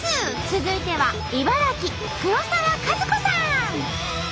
続いては茨城黒沢かずこさん！